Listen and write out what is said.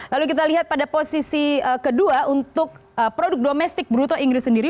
lalu kita lihat pada posisi kedua untuk produk domestik bruto inggris sendiri